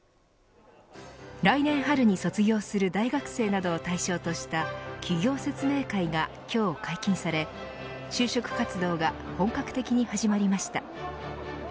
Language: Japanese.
来年春に卒業する大学生などを対象とした企業説明会が今日解禁され就職活動が本格的に始まりました。